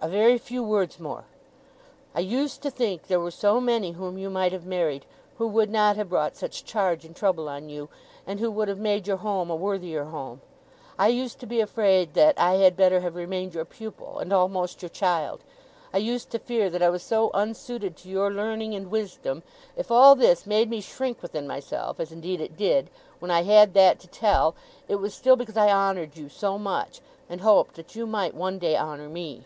a very few words more! I used to think there were so many whom you might have married, who would not have brought such charge and trouble on you, and who would have made your home a worthier home. I used to be afraid that I had better have remained your pupil, and almost your child. I used to fear that I was so unsuited to your learning and wisdom. If all this made me shrink within myself (as indeed it did), when I had that to tell, it was still because I honoured you so much, and hoped that you might one day honour me.